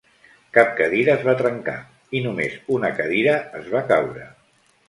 Cap cadira es va trencar, i només una cadira es va caure.